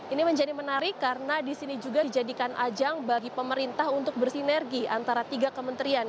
ini menjadi menarik karena di sini juga dijadikan ajang bagi pemerintah untuk bersinergi antara tiga kementerian